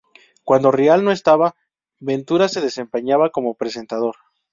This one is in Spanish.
Cuando Rial no estaba, Ventura se desempeñaba como presentador.